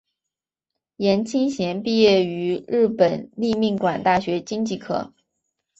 颜钦贤毕业于日本立命馆大学经济科。